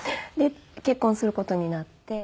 で結婚する事になって。